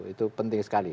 itu penting sekali